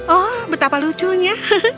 oh betapa lucunya